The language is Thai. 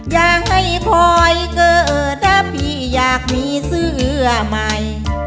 อยากให้คอยเกิดถ้าพี่อยากมีเสื้อใหม่